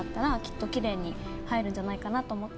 んじゃないかなと思って。